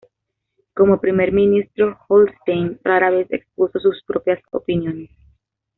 Como primer ministro, Holstein rara vez expuso sus propias opiniones.